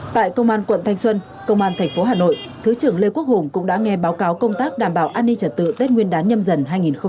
tại công an quận thanh xuân công an tp hà nội thứ trưởng lê quốc hùng cũng đã nghe báo cáo công tác đảm bảo an ninh trật tự tết nguyên đán nhâm dần hai nghìn hai mươi bốn